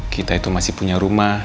kita itu masih punya rumah